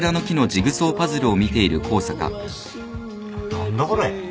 何だこれ？